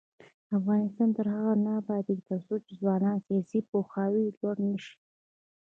افغانستان تر هغو نه ابادیږي، ترڅو د ځوانانو سیاسي پوهاوی لوړ نشي.